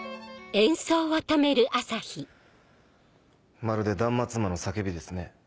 まるで断末魔の叫びですね。